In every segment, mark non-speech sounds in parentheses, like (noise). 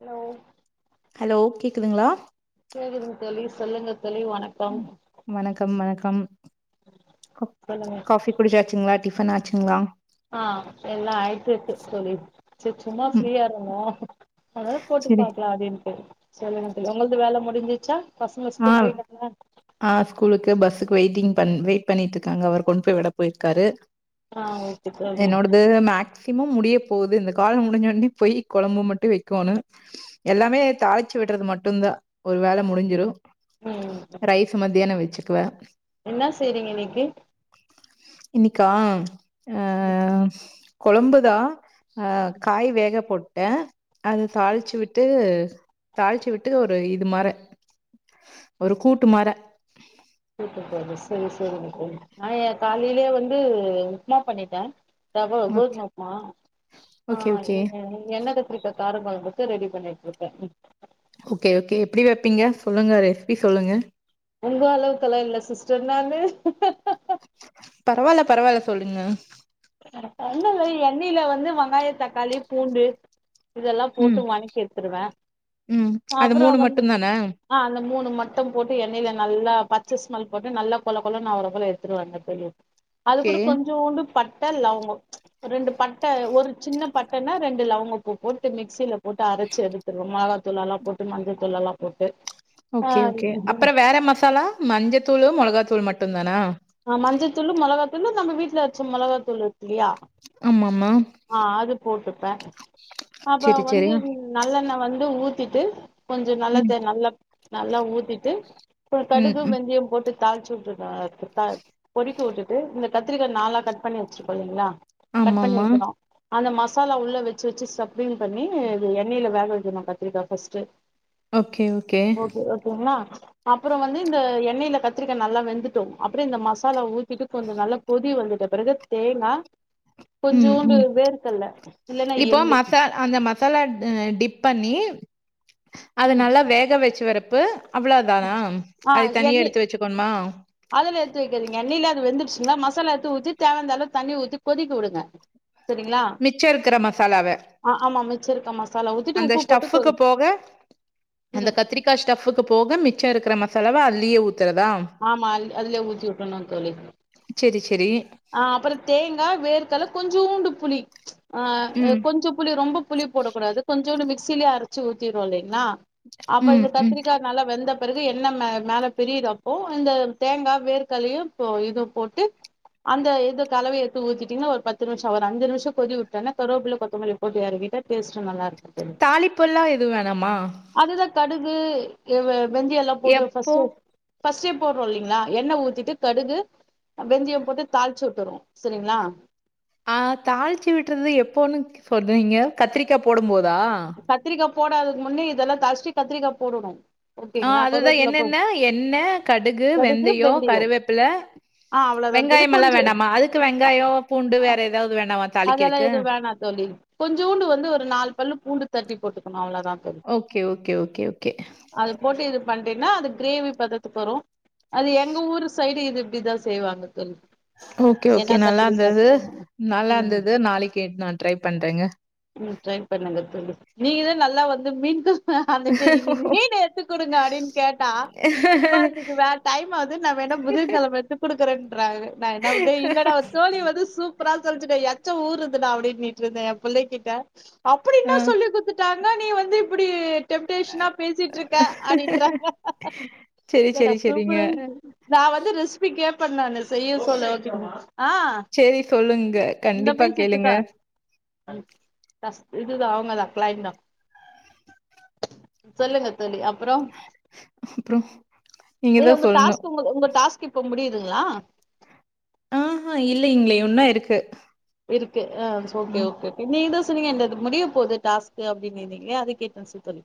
Hello hello கேக்குதுங்களா கேக்குது தோழி சொல்லுங்க தோழி வணக்கம் வணக்கம் வணக்கம் சொல்லுங்க காஃபி குடிச்சாச்ங்ளா டிஃபன் ஆச்சுங்களா ஆன் எல்லா ஆய்ட் இருக்கு தோழி சரி சும்மா ம் ஃப்ரீயா இருந்தோ (unintelligible) போட்டு செரி பாக்கலாம் அப்டின்னுட்டு சொல்லுங்க தோழி உங்ளுக்கு வேல முடிஞ்சிச்சா பசங்க ஸ்கூல் போய்டாங்களா ஆன் ஸ்கூலுக்கு பஸ்ஸுக்கு வெயிட்டிங் பண் வெயிட் பண்ணிட்டு இருக்காங்க அவர் கொண்டு போய் விட போயிருக்காரு ஆ ஓகே தோழி என்னோடது மேக் சிமம் முடிய போகுது இந்த கால முடிஞ்சோனே போய் கொழம்பு மட்டு வைக்கோணும் எல்லாமே தாளிச்சு விட்டுறது மட்டும்தா ஒரு வேல முடிஞ்சிடு ம் ரைஸ் மத்தியானம் வச்சுக்குவே என்ன செய்றீங்க இன்னைக்கு இன்னைக்கா அ கொழம்புதா அ காய் வேக போட்டே அத தாளிச்சு விட்டு தாளிச்சி விட்டு ஒரு இது மாரி ஒரு கூட்டு மார ம் சேரி சேரி நான் என் காலையிலயே வந்து உப்புமா பண்ணிட்டேன் ரவெ ஓகே கோதுமைஉப்புமா ஓகே ஆன் ஓகே என்னெ கத்ரி காரகொழம்புக்கு ரெடி பண்ணிட்டு இருக்க ஓகே ஓகே எப்டி வைப்பீங்க சொல்லுங்க ரெசிபி சொல்லுங்க உங்க அளவுக்கலாம் இல்ல சிஸ்டர் நானு பரவாயில்ல பரவாயில்ல சொல்லுங்க அட ஒண்ணு இல்ல எண்ணெயில வந்து வெங்காய தக்காளி பூண்டு இதெல்லாம் ம் போட்டு வாண்க்கி எத்துருவேன் ம் அது மூணு அப்புறம் வந்து மட்டுந்தானா ஆ அந்த மூணு மட்டும் போட்டு எண்ணெயில நல்லா பச்சை ஸ்மெல் போட்டு நல்ல கொல கொலன்ன ஆவர போல எடுத்துருவங்க தோழி அது ஓகே கூட கொஞ்வுண்டு பட்ட லவங்கம் ரெண்டு பட்டை ஒரு சின்ன பட்டைன்னா ரெண்டு லவங்கப்பூ போட்டு மிக்சியில போட்டு அரைச்சு எடுத் மொளகாதூள் எல்லாம் போட்டு மஞ்சள்தூள் எல்லாம் போட்டு ஆ ஓகே ஓகே அப்றம் வேற மசாலா மஞ்சதூளு மொளகாதூள் மட்டும் தானா ஆ மஞ்சதூள் மிளகாத்தூள் நம்ம வீட்டுல அரச்ச மிளகாத்தூள் இருக்கு இல்லையா ஆமாமா ஆன் அது போட்டுப்பேன் அப்ப செரி செரி வந்து நல்லெண்ணய் வந்து ஊத்திட்டு கொஞ்சம் நல்ல ம் தே நல்லா நல்லா ஊத்திட்டு அப்றம் ம் கடுகு ம் வெந்தியம் போட்டு தாளிச்சு விட்டுருந்த அதுக்கு கொதிக்க வுட்டுட்டு இந்த கத்திரிக்காய் நாலா கட் பண்ணி வச்சிருக்கோம் இல்ங்களா கட் பண்ணி ஆமாமா வைக்கிறோம் அந்த மசாலா உள்ள வச்சு வச்சு ஸ்டஃப்ரிங் பண்ணியெண்ணெயில வேக வைக்கணும் கத்திரிகாய் பஸ்ட் ஓகே ஓகேங்களா அப்றோ வந்து இந்த எண்ணெயில கத்திரிகாய் நல்லா வெந்துட்டோ அப்படே இந்த மசாலா ஊத்திட்டு கொஞ்சோ நல்லா கொதி வந்துட்ட பிறகு தேங்கா ம் கொஞ்சோண்டு ம் வேர்கல்ல இல்லன்னா இப்போ எள்ளு மசா அந்த மசாலா அ டிப் பண்ணி அத ம் நல்லா வேக வச்சு வரப்பு அவ்ளோ தானா அது தனியா எடுத்து வச்சுகணுமா அதுலா எடுத்து வைக்காதீங்க எண்ணைல அது வெந்துருச்சுங்ளா மசாலா எடுத்து ஊத்தி தேவயனந்த அளவு தண்ணி ஊத்தி கொதிக்க உடுங்க சேரிங்ளா மிச்சோ இருக்கற மசாலாவ ஆ ஆமா மிச்சருக்கா மசாலா ஊத்திட்டு உப்பு போட்டு கொ உப்புக்கு போக அந்த ம் கத்திரிக்கா ஸ்டஃபுக்கு போக மிச்ச இருக்கற மசாலாவ அதுலயே ஊத்துறதா ஆமா அல் அதுலே ஊத்தி உட்றணு தோழி செரி செரி ஆ அப்பறோ தேங்கா வேர்கல்ல கொஞ்சோண்டு புளி ஆ ம் கொஞ்சோ புளி ரொம்ப புளி போடகூடாது கொஞ்சோண்டு மிக்சியிலே அரச்சு ஊத்திரோ இல்லைங்ளா அப்ப ம் இந்த ம் கத்திரிக்கா நல்லா வெந்த பிறகு என்ன மே மேல பிரியுதா ஓ இந்த தேங்கா வேர்கலையு இப்போ இது போட்டு அந்த எது கலவை எடுத்து ஊத்திட்டீங்கானா ஒரு பத்து நிம்ஷோ ஒரு அஞ்சு நிம்ஷோ கொதி விட்டோனா கருவாபுள்ளா கொத்தமல்லி போட்டு எறக்கிட்ட டேஸ்ட்டு நல்லா இருக் தாலிப்புல்லா எதுவு வேணாமா அதுதா கடுகு வெ வெந்தயோ எல்லா போட்டு எப்போ ஃபஸ்ட்டு ஃபஸ்ட்டே போடுறோ இல்லீங்ளா எண்ண ஊத்திட்டு கடுகு வெந்தயோ போட்டு தாளிச்சு உட்டுரோ சேரிங்களா ஆ தாளிச்சி விட்டுறது எப்போன்னு சொல்றீங்க கத்திரிக்கா போடும் போதா கத்திரிக்கா போடததுக்கு முன்னே இதெல்லா தாழுச்சிட்டு கத்திரிக்கா போடனு ஆ அதுதா என்னென்ன எண்ண கடுகு வெந்தயோ கருவேப்பில ஆ அவ்ளோதா தோழி வெங்காயமெல்லா கொஞ்சோ வேணாமா அதுக்கு வெங்காயோ பூண்டு வேற ஏதாவது வேணாமா அதல்லா எதுவு வேணா தோழி கொஞ்சோண்டு வந்து ஒரு நாலு பல்லு பூண்டு தட்டி போட்டுக்கணு அவ்ளோதா தோழி ஓகே ஓகே ஓகே ஓகே அது போட்டு இது பன்றீனா அது கிரேவி பதத்துக்கு வரு அது எங்க ஊரு சைடு இது இப்டிதா செய்வாங்க தோழி ஓகே ஓகே ஏன்னா நல்லா கத்திரிக்கா இருந்தது செய்வாங்க நல்லா ம் இருந்தது நாளைக்கே நா ட்ரை பண்றங்க ம் ட்ரை பண்ணுங்க தோழி நீங்க தா நல்லா வந்து மீன் க வந்துட்டு இன்னிக்கி மீன் எடுத்துக்குடுங்க அப்டின்னு கேட்டா மா இன்னைக்கு வே டைம் ஆவுது நா வேணா புதன்கெழம எத்து குடுக்குறன்றாங்க நா என்ன பண் டேய் இல்ல டா தோழி வந்து சூப்பரா சொல்ச்சுடா எச்ச ஊறுது டா அப்டின்னிட்டு இருந்த ஏ புள்ளைங்கிட்ட அப்படி என்னா ஆ சொல்லி குத்துட்டாங் கா நீ வந்து இப்புடி டெம்ட்டேஷனா பேசிட்டு இருக்க அப்டின்றாங்க செரி செரி செரிங்க (unintelligible) நா வந்து ரெசிபி கேப்ப நானு செய்ய சொல்ல ஓகே சேரி சொல்லுங்க கண்டிப்பா கேளுங்க சொல்லுங்க தோழி அப்புறோ அப்றோ நீங்க இல்ல தா உங்க சொல்ணு டாஸ்க்கு உங்க டாஸ்க் இப்ப முடியுதுங்ளா ஆஹா இல்லைங்ளே இன்னோ இருக்கு இருக்கு அ ஓகே ஆ. ஓகே நீங்க தா சொன்னீங்க என்து அது முடியப் போது டாஸ்க்கு அப்டின்னிந்திங்க அத கேட்டன் சோ தோழி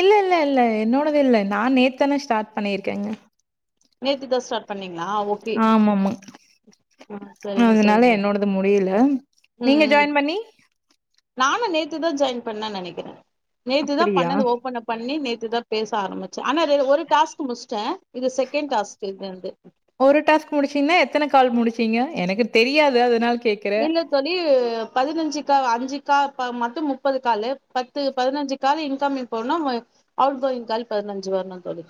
இல்ல இல்ல இல்ல என்னோடது இல்ல நா நேத்தான ஸ்டார்ட் பண்ணியிருக்கேங்க நேத்தி தா ஸ்டார்ட் பண்ணீங்ளா ஓகே ஆமாமா ஆ சரிங்க அதனால சரிங்க என்னோடது முடியல ம் நீங்க ம் ஜாயின் பண்ணி நானு நேத்துதா ஜாயின் பண்ணனு நெனைக்கிற நேத்து தா அப்படியா பண்ணது ஓபன் அப் பண்ணி நேத்து தா பேச ஆரம்பிச்ச ஆனா இர ஒரு டாஸ்க்கு முஷ்ட்ட இது செகண்ட் டாஸ்க்கு இப்ப எனக்கு ஒரு டாஸ்க் முடிச்சீங்ன்னா எத்தன கால் முடிச்சீங்க எனக்கு தெரியாது அதனால கே இல்ல தோழி பதினஞ்சி கால் அஞ்சிக்கா மொத்தோ முப்பது காலு பத்து பதினஞ்சி கால் இன்கமிங் போனோ ம அவுட் கோயிங் கால் பதினஞ்சி வர்னோ தோழி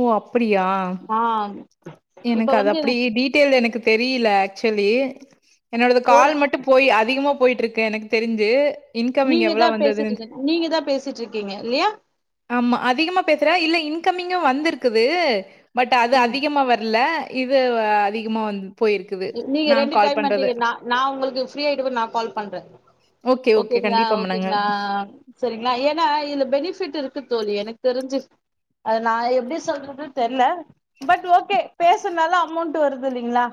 ஓ அப்பிடியா அ எனக்கு அது அப்டி டீட்டெயில் எனக்கு தெரியல ஆக்சுவலி என்னோடது ஒரு கால் மட்டோ போய் அதிகமா போயிட்டு இருக்கு எனக்கு தெரிஞ்சு இன்கமிங் நீங்க எவ்வளோ தா பேசிட்டு வந்ததுன்னு இருக்க நீங்க தா பேசிட்டு இருக்கீங்க இல்லையா ஆமா அதிகமா பேசுற இல்ல இன்கமிங்கோ வந்துருக்குது பட் அது ம் அதிகமா வர் ல இது அதிகமா வந்து போயிருக்குது நீங்க நா ரெண்டு கால் டைம் பண்றது பண்றீங்க நா நா உங்களுக்கு ஃப்ரீ ஆயிட்ட பிறகு நா கால் பண்ற ஓகே, ஓகே. ஓகேங்ளா கண்டிப்பா பண்ணுங்க. ஓகேங்ளா சரிங்ளா ஏன்னா இதுல பெனிஃபிட் இருக்கு தோழி எனக்கு தெரிஞ்சு அது நா எப்டி சொல்றது தெர்ல பட் ஓகே பேசுனால அமௌண்ட் வருது இல்லைங்ளா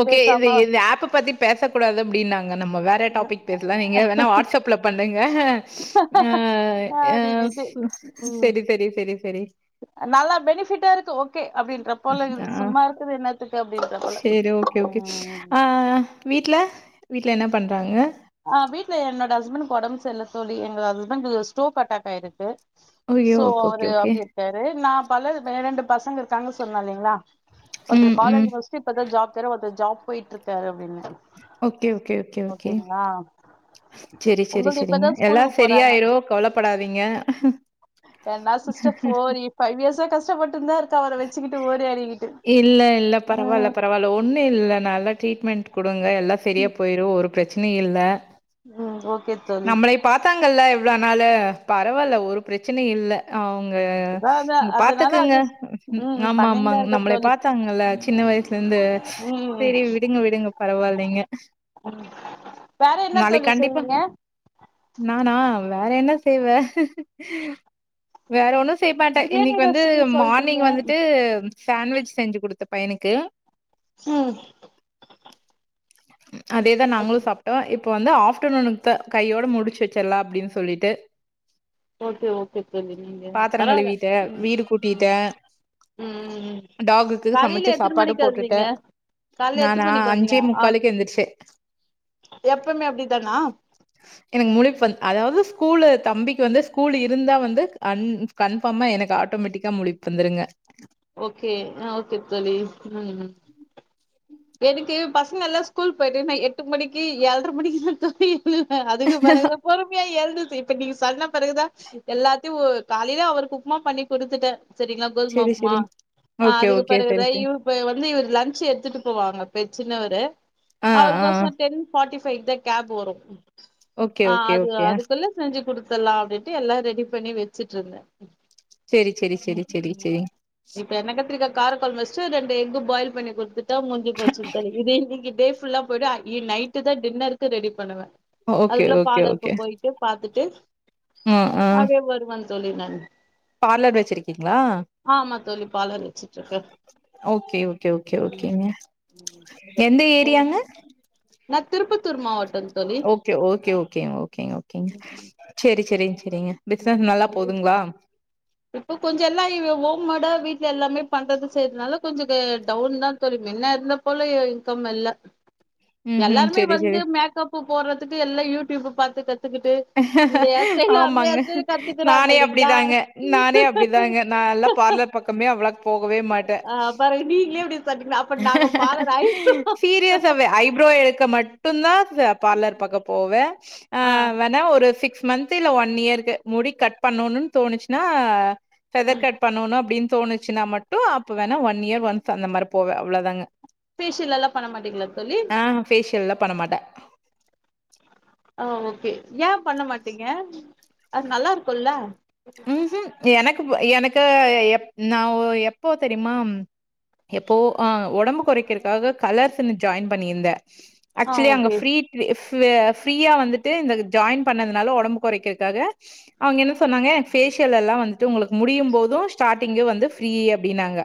ஓகே இது இந்த ஆப்ப பத்தி பேசக்கூடாது அப்டின்னாங்க நம்ம வேற டாப்பிக் பேசலா நீங்க வேனா வாட்ஸ்அப் ல பண்ணுங்க அ அ அப்டின்ட்டு ச ம் சரி சரி சரி சரி நல்லா பெனிஃபிட்டா இருக்கு ஓ ஓகே அப்டின்றா போல ஆ இக்குது சும்மா இருக்குது என்னத்துக்கு அப்டின்றா போல சரி, ஓகே, ஓகே. அ ஆ வீட்ல வீட்ல என்ன பண்றாங்க அ வீட்ல என்னோட ஹஸ்பண்ட்க்கு ஒடம்பு சரில்ல தோழி எங்க ஹஸ்பண்ட்க்கு ஸ்டோக் அட்டாக் ஆயிருக்கு ஐயோ! சோ ஓகே, ஓகே, அவரு ஓகே. அப்டி இருக்காரு நா (unintelligible) ரெண்டு பசங்க இருக்காங்கன்னு சொன்ன இல்லைங்ளா ஒருத்தரு ம், ம். காலேஜ்ஜு முஷ்ட்டு இப்பதா ஜாப் தேறாரு ஒருத்தரு ஜாப் போயிட்டு இருக்காரு அப்டின்னு ஓகே ஓகே ஓகே ஓகே அ செரி செரி செரிங்க எல்லா போறாங்க சரியாயிறோ கவலப்படாதீங்க என்னா சிஸ்டர் ஃபோர் இ ஃபைவ் இயர்ஸா கஷ்டப்பட்டுந்தா இருக்க அவர வச்சிக்கிட்டு ஓடி ஆடி இல்ல இல்ல பரவால்ல பரவால்ல ஒன்னு இல்ல நல்லா ட்ரீட்மெண்ட் குடுங்க எல்லா சரியா போயிறோ ஒரு பிரச்சனை இல்ல ம் ஓகே தோழி பாத்தாங்கள்ல இவ்வளோ நாளு பரவால்ல ஒரு பிரச்சனை இல்ல அவுங்க அதுதா அதா அதனால பாத்துக்கங்க அது ம் ஆமா பண்ணிந்தா ஆமாங்க இருக்க உங்களை தோழி பாத்தாங்கல்ல சின்ன வயசுல இருந்து ம் சேரி விடுங்க விடுங்க பரவாயில்லைங்க வேற என்ன தோழி செய்விங்க நானா வேற என்ன செய்வே வேற ஒன்னு செய்ய மாட்டே பிரியாணி இன்னைக்கு வந்து ரெசிபி சொல்ட்டீங்க மார்னிங் வந்துட்டு சாண்ட்விச் செஞ்சு கொடுத்த பையனுக்கு ம் அதேதா நாங்களு சாப்பிட்டோ இப்ப வந்து ஆஃப்டர்நூனுக்கு த கையோட முடிச்சு வச்சலா அப்படின்னு சொல்லிட்டு ஓகே ஓகே தோழி நீங்க பாத்திரம் பரவால்ல கழுவிட்டேன், ம் வீடு கூட்டிட்டேன், ம்ம்ம்ம் டாகுக்கு சமைச்ச காலையில எத்தன சாப்பாடு மணிக்கு எழுந்திங்க போட்டுட்டேன். காலையில எத்தன நானா மணி எழுந்திங்க எந்திரிச்சேன். எப்பமே அப்டித்தானா எனக்கு முழிப்பு வந்து அதாவது ஸ்கூல் தம்பிக்கு வந்து ஸ்கூல் இருந்தா வந்து அந் கன்ஃபார்மா எனக்கு ஆட்டோமேட்டிக்கா முழிப்பு வந்துருங்க ஓகே அஹ் ஓகே தோழி ம் ம் எதுக்கு பசங்க எல்லா ஸ்கூல் போயிட்டே நா எட்டு மணிக்கு ஏழரை மணிக்குலா தூங்கிர் இல்லூகா அதுக்கு பெறகுதா பொறுமையா எழுதுட்தூ இப்ப நீங்க சொன்ன பெறகுதா எல்லாத்தையூ காலையிலே அவருக்கு உப்புமா பண்ணி கொடுத்துட்டே செரிங்களா சரி, கோதும்மாவ் மா சரி. அ ஓகே, அதுக்கு ஓகே. சரி, பிறகுதா சரி. இவ் இப்ப வந்து இவர் லஞ்ச் எட்த்துட்டு போவாரா பெ சின்னவரூ ஆ, அவருக்குகோசர ஆ. டென் ஃபாட்டி ஃபைவ்க்கு தா கேப் வரூம் ஓகே, ஆ ஓகே, அது ஓகே. அதுக்குள்ள செஞ்சு குடுத்தலா அப்படின்ட்டு எல்லா ரெடி பண்ணி வச்சுட்டு இருந்தே சரி, சரி, சரி, சரி, சரி. இப்ப எண்ணோ கத்திரிக்கா காரக்கொழம்பு வச்சிட்டு ரெண்டு எக்கு பாயில் பண்ணி குடுத்துட்டா முடிஞ்சி போச்சி இதுவே நீங்க டேஸ் புல்லா போய்டூ அகெய்ன் நைட்டு தா டின்னருக்கு ரெடி பண்ணுவே ஓகே, அதுக்குள்ள ஓகே, பார்லருக்கு ஓகே. போயிட்டு அப்படியே பாத்துட்டு அ, ஆ. அப்படியெ வருவாங் தோழி ன்னான் பார்லர் வச்சிருக்கீங்களா ஆமா தோழி பார்லர் வச்சுட்ருக்கே ஓகே ஓகே ஓகே ஓகேங்க எந்த ஏரியாங்க நா திருப்பத்தூர் மாவட்டோ தோழி ஓகே ஓகே ஓகே ஓகேங்க ஓகேங்க சேரி சேரிங்க சேரிங்க பிசினஸ் நல்லா போதுங்களா இப்போ கொஞ்சோ எல்லா இவ் ஓம் மேடா வீட்டல எல்லாமே பண்றது செய்யறதுனால கொஞ்ச டவுன் தா தோழி மின்ன இருந்தப் இப்போல்ல இன்கம் வர்ல்ல ம்ஹ்ம். எல்லாருமே சரி, சரி. வந்து மேக்கப்பு போறதுக்கு எல்லா யூடியூப் பாத்து கத்துக்கிட்டு இந்த ஹேர்ஸ்டைல அந்த ஆமாங்க ஹேர்ஸ்டைல கத்துக்குறாங்க நானே இல்லைங்களா அப்படிதாங்க நானே அப்படிதாங்க நால்லா பார்லர் பக்கமே அவ்ளக்கு போகவே மாட்டே சார் நீங்களே இப்படி சொன்னீங்கன்னா அப் சீரியஸாவே ஐப்ரோ எடுக்க மட்டுந்தா இதெ பார்லர் பக்கோ போவே ஆ வேணா ஒரு சிக்ஸ் மந்த் இல்ல ஒன் இயருக்கு முடி கட் பண்ணுன்னு தோணுச்சுன்னா ஃவெதர் கட் பண்ணோனோ அப்டின் தோணுச்சுன்னா மட்டூ அப்போ வேணா ஒன் இயர் ஒன்ஸ் அந்த மாரி போவே அவ்ளோதாங்க பேஷியல் எல்லா பண்ண மாட்டீங்களா தோழி பேஷியல்லா பண்ணமாட்டே ஆ ஓகே ஏன் பண்ண மாட்டீங்க அது நல்லா இருக்குன்ல்ல ம் ஹூம் எனக்குப் எனக்கு எப் நா எப்போ தெரியுமா எப்போ ஆ ஒடம்பு கெறைக்கறதுக்காக கலர்ஸ்ன்னு ஜாயின் பண்ணியிருந்தே ஆ ஆக்சுவலி அங்க ஓகே ஃப்ரீ ஃப்யா ஃப்ரீயா வந்துட்டு இந்த ஜாயின் பண்ணதுனால ஒடம்பு கெறைக்கிறக்காக அவங்க என்ன சொன்னாங்க ஃபேஷியல் எல்லா வந்தூட்டு உங்களுக்கு முடியூ போதூ ஸ்டார்ட்டிங்கூ வந்து ஃப்ரீ அப்டின்னாங்க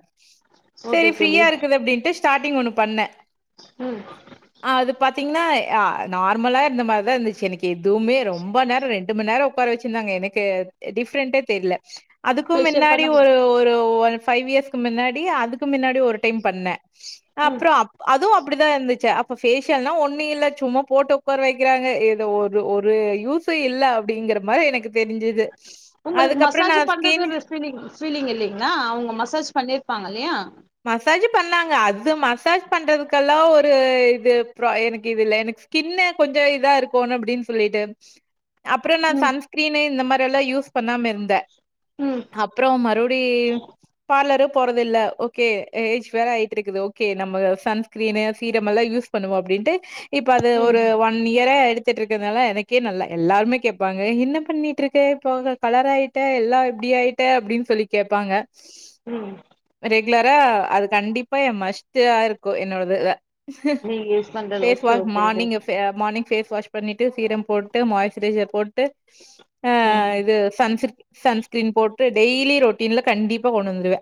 சரி ஓகே தோழி ஃப்ரீயா இருக்குது அப்டின்ட்டு ஸ்டார்டிங் ஒன்னு பண்ணே ம் அது பாத்தீங்கன்னா ஆ நார்மலா இருந்த மாதிரி தா இருந்துச்சு எனக்கு எதுவுமே ரொம்ப நேரோ ரெண்டு மண் நேரோ உக்கார வச்சிருந்தாங்க எனக்கே டிஃப்ரெண்டே தெரில்ல அதுக்கூ ஃபேஷியல் முன்னாடி பண்ண ஒரு ஒரு ஒரு ஃபைவ் இயர்ஸ்கு மின்னாடி அதுக்கு மின்னாடி ஒரு டைம் பண்ணே ம் அப்றோ அதுவூ அப்படி தா இருந்துச்சு இப்ப பேஷியல்னா ஒன்னு இல்ல சும்மா போட்டு உக்கார வெக்கிறாங்க இத ஒரு ஒரு யூஸ் சு இல்ல அப்படிங்கிற மாரி எனக்கு தெரிஞ்சுது உங்குளுக்கு மசாஜ் பண்றது ஒரு ஃபீலிங் ஃபீலிங் இல்லைங்ளா அவங்க மசாஜ் பண்ணிருப்பாங்க இல்லையா மசாஜ் பண்ணாங்க அது மசாஜ் பண்றதுக்கெல்லா ஒரு இது எனக்கு இது இல்ல எனக் கின்ன கொஞ்சோ இதா இருக்கணு அப்படின் சொல்லிட்டு அப்புறம் நான் ம் சன்ஸ்கிரீனு இந்த மாதிரி எல்லா யூஸ் பண்ணாம இருந்தே ம் அப்றோ மறுபடி பார்லரும் போறதில்ல ஓகே ஏஜ் வேற ஆயிட்டு இருக்குது ஓகே நம்ம சன்ஸ்கிரீனு சீரம் எல்லாம் யூஸ் பண்ணுவோ அப்படின்ட்டு இப்ப அது ம் ஒரு வ ஒன் இயரா எடுத்துட்டு இருக்கதுனால எனக்கே நல்லா எல்லாருமே கேபாங்க என்ன பண்ணிட்டு இருக்க போங்க கலராயிட்ட எல்லா எப்டி ஆயிட்ட அப்டின் சொல்லி கேபாங்க ம் ரெகுலரா அது கண்டிப்பா என் மஸ்டா இருக்கு என்னோடது இத நீங்க யூஸ் பண்றது face okay wash okay morning ஆ மார்னிங் ஃபேஸ் வாஷ் பண்ணிட்டு சீரம் போட்டு மாயஸ்சரைசர் போட்டு ஆ ம் இது சன் சிட் சன்ஸ்கிரீன் போட்டு டெய்லி ரொட்டீன்ல கண்டிப்பா கொண்டு வந்துடுவே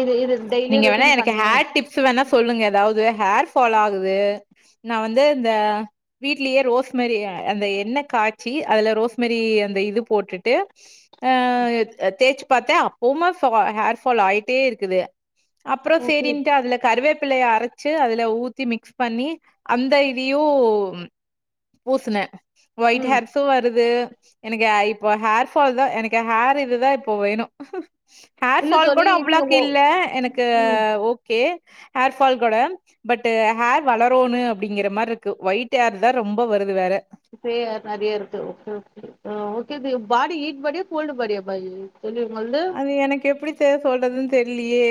இது இது டெய்லியு நீங்க வேணா ரொட்டீன் எனக்கு பண்றீங்க ஹேர் டிப்ஸ் வேணா சொல்லுங்க ஏதாஙவது ஹேர் ஃபால் ஆகுது நான் வந்து இந்த வீட்லயே ரோஸ்மரி அந்த எண்ணெ காச்சி அதுல ரோஸ்மரி அந்த இது போட்டுட்டு ஆ தேச்சு பாத்தேன் அப்பவுமா ஹேர் ஃபால் ஆயிட்டே இருக்குது அப்பறம் ஓகே சரின்னுட்டு அதுல கருவே பிலையை அரச்சு அதுல ஊத்தி மிக்ஸ் பண்ணி அந்த இதுயு பூசனே ஒயிட் ம் ஹேட்ஸும் வருது எனக்கு இப்போ ஹேர்ஃபால் தா எனக்கு ஹேர் இதுதா இப்போ வேணும் இல்ல தோழி இது எப் கில்ல எனக்கு ஓகே ஹேர் பால் கூட பட் ஹேர் வளரும்ன்னனு அப்படிங்கிற மாதிரி இருக்கு ஒயிட் ஹேர் தான் ரொம்ப வருது வேற சே ஹேர் நெறைய இருக்கு ஓகே ஓகே ஆ ஓகே ஜி பாடி ஹீட் பாடியா கோல்டு பாடியா பா (unintelligible) அது எனக்கு எப்பிடி சொல்றதுன் தெரிலிலே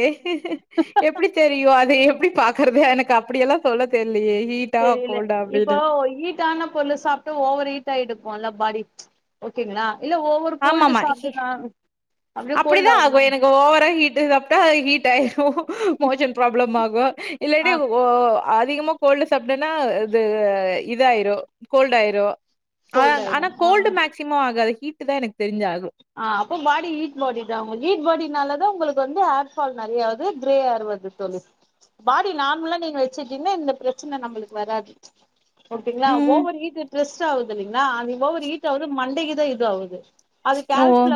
எப்படி தெரியு அது எப்டி பாக் கற்து எனக்கு அப்படியெல்லாம் சொல்ல தெரியலையே ஹீட்டா தெரியல கோல்டா அப்படின் இப்போ ஹீட்டான பொருள சாப்டா ஓவர் ஹீட் ஆயிக்குல பாடி ஓகேங்ளா இல்ல ஓ கோல்டு சாப்டு நான் அப்படிதா ஆகு எனக்கு ஓவரா ஹீட்டு சாப்டா ஹீட் ஆயிடு மோஷன் ப்ராப்ளம் ஆகு இல்லாடி ஆ ஓ அதிகமா கோல்டு சாப்டேனா இது இதாயிரு கோல்டு ஆயிரு கோல்டு ஆயிடு ஆனா ஆ கோல்டு மேக்சிமம் ஆகாது ஹீட்தா எனக்கு தெரிஞ்சு ஆகு ஆ அப்போ பாடி ஹீட் பாடி தா உங்க ஹீட் பாடினால தான் உங்களுக்கு வந்து ஹேர்ஃபால் நெறையாவது கிரே ஹேர் வருது பாடி நார்மலா நீங்க வெச்சுட்டீங்கன்னா இந்த பிரச்சன நம்மளுக்கு வராது ஓகேங்ளா ம் ஓவர் ஹீ்ட் ஸ்ரெஸ் ஆகுது இல்லைங்களா அ நீ ஓவர் ஹீ்ட் ஆகுது மண்டேக்கு தான் இது ஆவுது அது ஓ கால்ஃப்ல